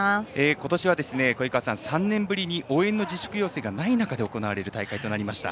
今年は鯉川さん３年ぶりに応援の自粛要請がない中で行われる大会となりました。